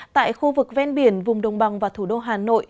tại khu vực ven biển vùng đồng bằng và thủ đô hà nội